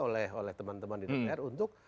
oleh teman teman di dpr untuk